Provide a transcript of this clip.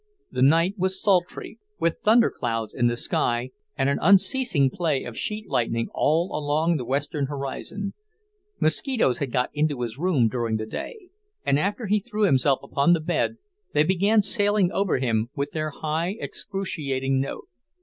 The night was sultry, with thunder clouds in the sky and an unceasing play of sheet lightning all along the western horizon. Mosquitoes had got into his room during the day, and after he threw himself upon the bed they began sailing over him with their high, excruciating note.